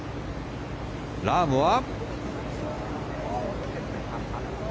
ラームは。